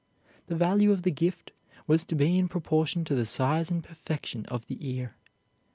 The value of the gift was to be in proportion to the size and perfection of the ear.